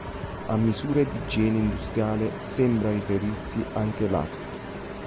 A misure di igiene industriale sembra riferirsi anche l’art.